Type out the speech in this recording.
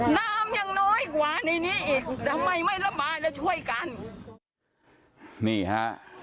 น้ำยังน้อยกว่าในนี้อีกทำไมไม่ระบายแล้วช่วยกันนี่ฮะ